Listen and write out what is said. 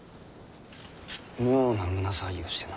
妙な胸騒ぎがしてな。